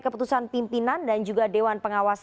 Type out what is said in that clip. keputusan pimpinan dan juga dewan pengawas